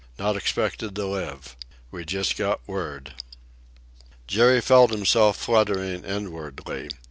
Not expected to live. We just got word." Jerry felt himself fluttering inwardly.